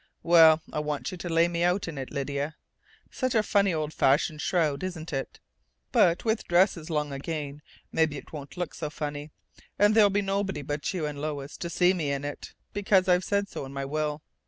Well, I want you to lay me out in it, Lydia. Such a funny old fashioned shroud, isn't it?... But with dresses long again, maybe it won't look so funny, and there'll be nobody but you and Lois to see me in it, because I've said so in my will.